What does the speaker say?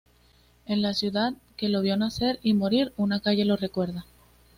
En la ciudad que lo vio nacer y morir una calle lo recuerda.